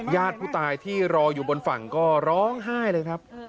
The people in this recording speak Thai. ญาติผู้ตายที่รออยู่บนฝั่งก็ร้องไห้เลยครับ